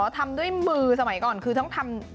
ทำด้วยมือสมัยก่อนคือต้องทำ